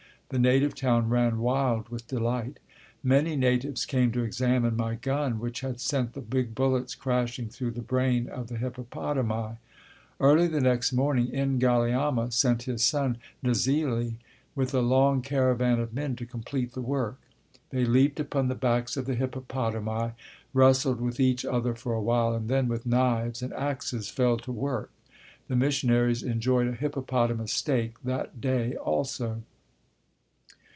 The native town ran wild with delight. Many natives came to examine my gun which had sent the big bullets crashing through the brain of the hippopotami. Early the next morning N'Galiama sent his son Nzelie with a long caravan of men to complete the work. They leaped upon the backs of the hippopotami, wrestled with each other for a while, and then with knives and axes fell to work. The missionaries enjoyed a hippopotamus steak that day also.